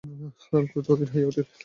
হারান ক্রোধে অধীর হইয়া উঠিলেন।